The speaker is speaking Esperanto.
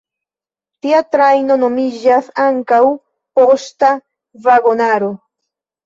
Tia trajno nomiĝas ankaŭ "poŝta vagonaro".